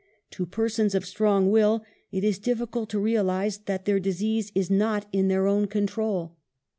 To persons of strong will it is difficult to realize that their dis ease is not in their own control.